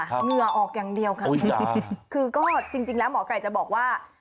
เหงื่อออกอย่างเดียวค่ะคือก็จริงแล้วหมอไก่จะบอกว่า